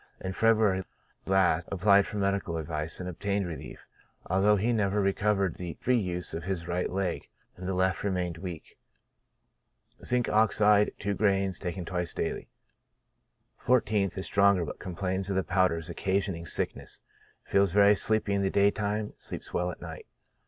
In February last applied for medical advice, and obtained relief, although he never recovered the free use of his right leg, and the left remained weak. Zinc. Ox., gr.ij, bis die. 14th. — Is stronger, but complains of the powders occa sioning sickness ; feels very sleepy in the daytime ; sleeps well at night.